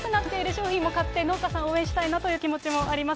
商品も買って、農家さん応援したいなという気持ちもあります。